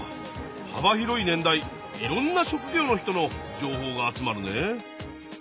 幅広い年代いろんな職業の人の情報が集まるね！